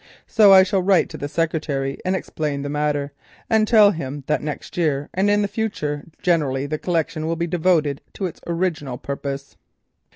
So I shall write to the secretary and explain the matter, and tell him that next year and in the future generally the collection will be devoted to its original purpose."